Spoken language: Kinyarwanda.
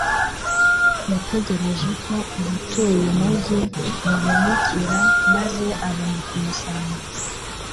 yategereje ko abatuye umugi bahunikira, maze abona kumusanga.